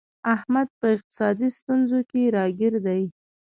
احمد په اقتصادي ستونزو کې راگیر دی